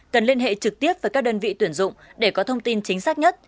cần liên hệ trực tiếp với các đơn vị tuyển dụng để có thông tin chính xác nhất